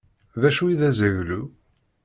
D acu i d azaglu?